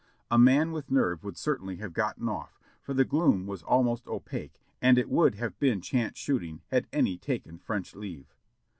A man with nerve would certainly have gotten off, for the gloom was almost opaque and it would have been chance shoot ing had any taken French leave.